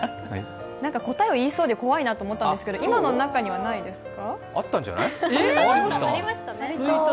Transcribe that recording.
答えを言いそうで怖いなと思ったんですけど、今の中にはないですか？